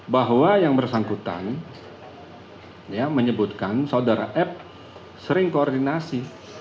bahwa yang bersangkutan menyebutkan saudara f sering koordinasi